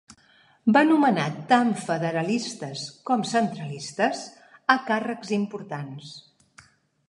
Va nomenar tant federalistes com centralistes a càrrecs importants.